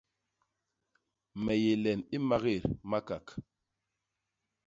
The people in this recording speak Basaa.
Me yé len i makét Makak.